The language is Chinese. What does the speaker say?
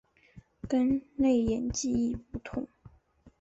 跟内隐记忆不同。